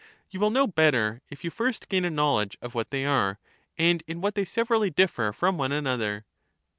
You will know better if you first gain a knowledge of what they are, and in what they severally differ from one another.